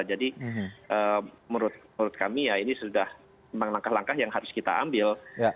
jadi menurut kami ya ini sudah memang langkah langkah yang harus kita ambil